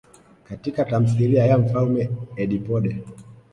Katika tamthilia ya Mfalme Edipode.